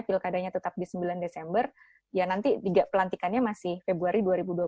pilkadanya tetap di sembilan desember ya nanti pelantikannya masih februari dua ribu dua puluh